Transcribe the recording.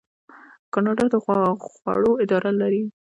کاناډا د خوړو اداره لري.